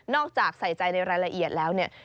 จากใส่ใจในรายละเอียดแล้วเนี่ย